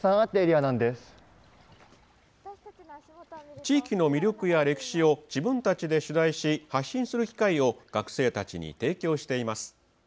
地域の魅力や歴史を自分たちで取材し発信する機会を学生たちに提供しています。